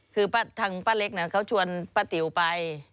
คือทางป้าเล็กเขาชวนป้าติ๋วไป